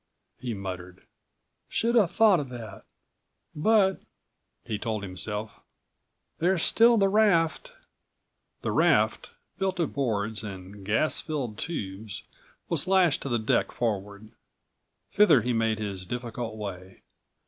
he muttered. "Should have thought of that! But," he told himself, "there's still the raft!" The raft, built of boards and gas filled tubes, was lashed to the deck forward. Thither he made his difficult way.